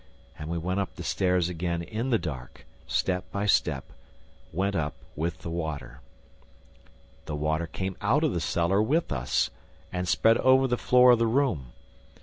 And we went up the stairs again in the dark, step by step, went up with the water. The water came out of the cellar with us and spread over the floor of the room.